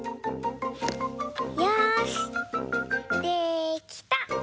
よしできた！